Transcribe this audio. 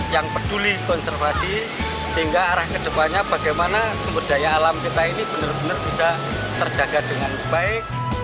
yang peduli konservasi sehingga arah kedepannya bagaimana sumber daya alam kita ini benar benar bisa terjaga dengan baik